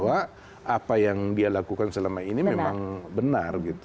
apa yang dia lakukan selama ini memang benar